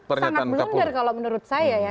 sangat blunder kalau menurut saya ya